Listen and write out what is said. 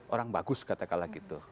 orang bagus katakanlah gitu